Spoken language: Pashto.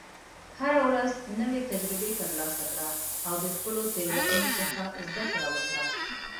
هره ورځ نوې تجربې ترلاسه کړه، او د خپلو تېروتنو څخه زده کړه وکړه.